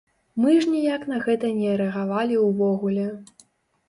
Мы ж ніяк на гэта не рэагавалі ўвогуле.